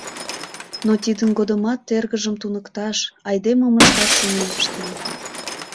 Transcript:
Но тидын годымат эргыжым туныкташ, айдемым ышташ шонен пыштен.